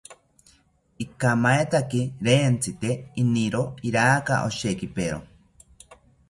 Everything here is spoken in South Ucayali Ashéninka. Ikamaetaki rentzite, iniro iraka oshekipero